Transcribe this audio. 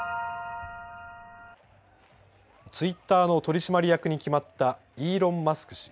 ツイッターの取締役に決まったイーロン・マスク